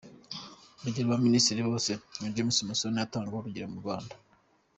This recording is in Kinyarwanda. Urugero, ba minisitiri bose nka James Musoni atangaho urugero mu Rwanda.